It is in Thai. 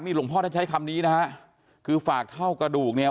หลวงพ่อท่านใช้คำนี้นะฮะคือฝากเท่ากระดูกเนี่ย